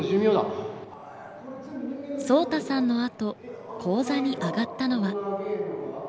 颯太さんのあと高座に上がったのは。